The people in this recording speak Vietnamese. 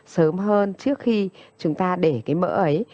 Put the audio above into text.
sớm hơn trước khi chúng ta để cái mỡ ấy